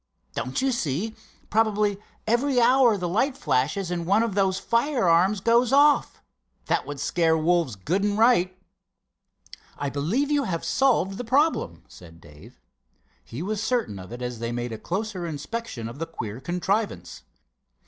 Don't you see, probably every hour the light flashes and one of those firearms goes off. That would scare wolves good and right." "I believe you have solved the problem," said Dave. He was certain of it as they made a closer inspection of the queer contrivance.